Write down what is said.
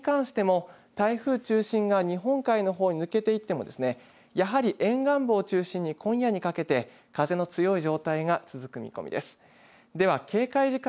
そして、風に関しても台風中心が日本海側のほうに抜けていってもやはり沿岸部を中心に今夜にかけて風が強い状態が続く見込みです。